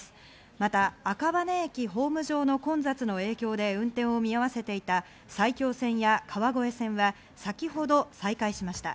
また、赤羽駅ホーム上の混雑の影響で運転を見合わせていた埼京線や川越線は先ほど再開しました。